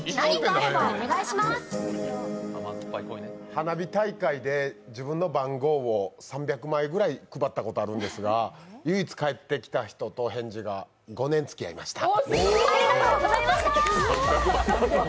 花火大会で自分の番号を３００枚くらい配ったことがあるんですが唯一返事が返ってきた人と５年つきあいました。